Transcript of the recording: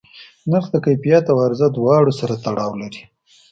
نرخ د کیفیت او عرضه دواړو سره تړاو لري.